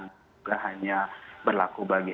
juga hanya berlaku bagi